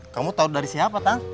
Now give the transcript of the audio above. kamu tau dari siapa kang